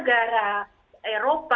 karena di triwunnya